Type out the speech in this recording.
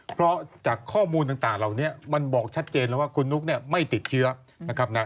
เพราะจากข้อมูลต่างเหล่านี้มันบอกชัดเจนแล้วว่าคุณนุ๊กเนี่ยไม่ติดเชื้อนะครับนะ